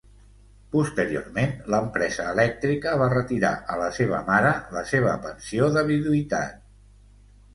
Posteriorment, l'empresa elèctrica va retirar a la seva mare la seva pensió de viduïtat.